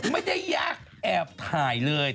ไม่ได้ยากแอบถ่ายเลย